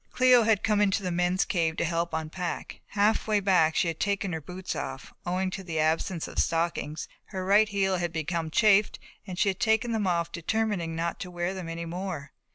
Cléo had come into the men's cave to help to unpack. Half way back she had taken her boots off. Owing to the absence of stockings her right heel had become chafed and she had taken them off determining not to wear them any more.